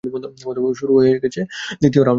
শুরু হয়েছে দ্বিতীয় রাউন্ড।